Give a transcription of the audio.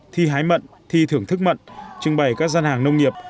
thi hái mận thi thưởng thức mận trưng bày các gian hàng nông nghiệp